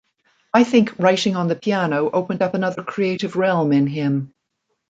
I think writing on the piano opened up another creative realm in him.